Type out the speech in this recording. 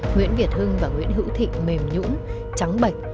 nguyễn việt hưng và nguyễn hữu thị mềm nhũng trắng bạch